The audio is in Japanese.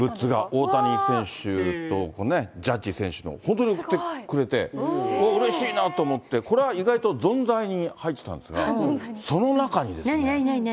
大谷選手とジャッジ選手の、本当に送ってくれて、うれしいなと思って、これは意外とぞんざいに入ってたんですが、何何何？